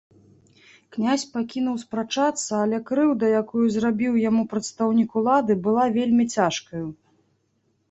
Князь пакінуў спрачацца, але крыўда, якую зрабіў яму прадстаўнік улады, была вельмі цяжкаю.